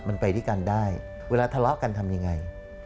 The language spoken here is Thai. มันไปด้วยกันได้เวลาทะเลาะกันทำยังไง